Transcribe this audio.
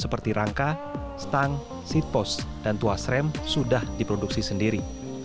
seperti rangka stang seatpost dan tuasrem sudah diproduksi sendiri